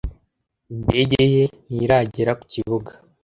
Indege ye ntiragera ku kibuga